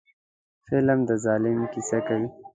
فلم د ظلم کیسه کوي